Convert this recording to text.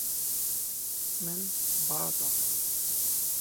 Min ba da.